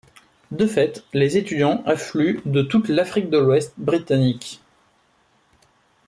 De fait, les étudiants affluent de toute l'Afrique de l'Ouest britannique.